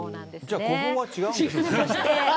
じゃあ、古墳は違うんですね。